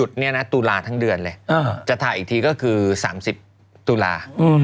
จะถ่ายอีกทีก็คือสามสิบตุลา